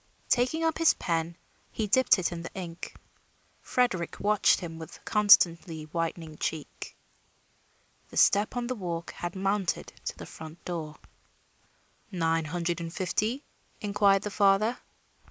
Taking up his pen, he dipped it in the ink. Frederick watched him with constantly whitening cheek. The step on the walk had mounted to the front door. "Nine hundred and fifty?" inquired the father.